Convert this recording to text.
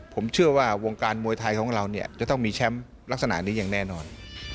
ผมเชื่อว่าวงการมวยไทยของเราเนี่ยจะต้องมีแชมป์ลักษณะนี้อย่างแน่นอน